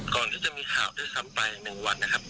ก่อนที่จะมีข่าวด้วยซ้ำไป๑วันนะครับ